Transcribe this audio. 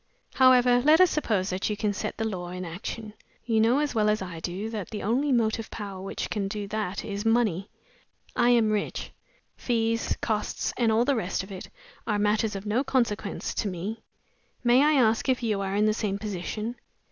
However, let us suppose that you can set the law in action. You know as well as I do that the only motive power which can do that is money. I am rich; fees, costs, and all the rest of it are matters of no sort of consequence to me. May I ask if you are in the same position?"